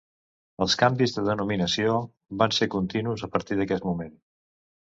Els canvis de denominació van ser continus a partir d'aquest moment.